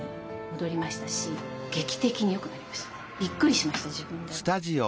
びっくりしました自分でも。